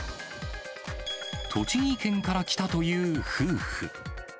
栃木県から来たという夫婦。